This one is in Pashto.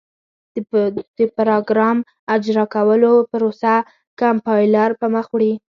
د پراګرام اجرا کولو پروسه کمپایلر پر مخ وړي.